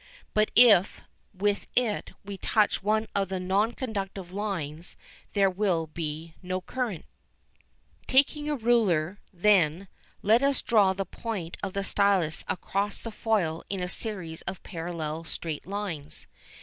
But if, with it, we touch one of the non conductive lines, there will be no current. [Illustration: FIG. 13] [Illustration: FIG. 14] Taking a ruler, then, let us draw the point of the stylus across the foil in a series of parallel straight lines.